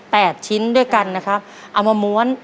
ชิ้นด้วยกันนะครับเอามาม้วน